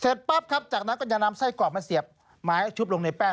ปั๊บครับจากนั้นก็จะนำไส้กรอกมาเสียบไม้ชุบลงในแป้ง